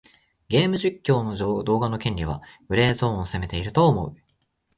ゲーム実況動画の権利はグレーゾーンを攻めていると思う。